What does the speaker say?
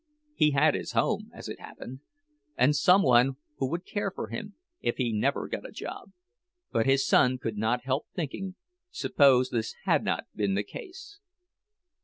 He had his home, as it happened, and some one who would care for him if he never got a job; but his son could not help thinking, suppose this had not been the case.